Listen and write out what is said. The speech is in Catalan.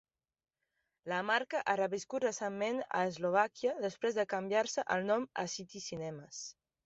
La marca ha reviscut recentment a Eslovàquia, després de canviar-se el nom a City Cinemas.